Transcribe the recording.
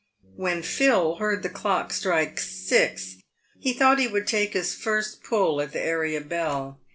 When Phil heard the clock strike six he thought he would take his first pull at the area bell.